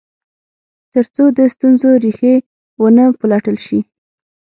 تر څو د ستونزو ریښې و نه پلټل شي.